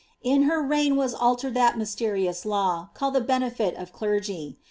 * In her reign was altered that mysterious law, called benefit of clergy.